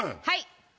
はい。